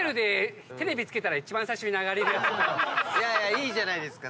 いいじゃないですか。